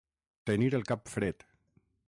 Tenir el cap fred.